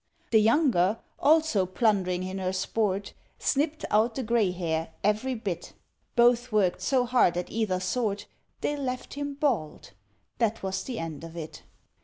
The younger, also plundering in her sport, Snipped out the grey hair, every bit. Both worked so hard at either sort, They left him bald that was the end of it.